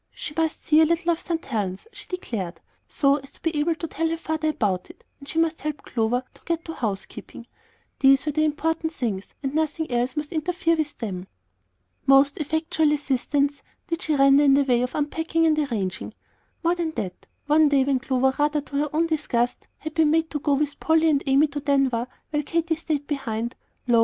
She must see a little of St. Helen's, she declared, so as to be able to tell her father about it, and she must help Clover to get to housekeeping, these were the important things, and nothing else must interfere with them. Most effectual assistance did she render in the way of unpacking and arranging. More than that, one day, when Clover, rather to her own disgust, had been made to go with Polly and Amy to Denver while Katy stayed behind, lo!